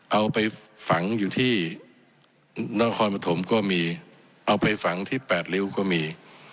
เอาไปฝังอยู่ที่นครปฐมก็มีเอาไปฝังที่แปดริ้วก็มี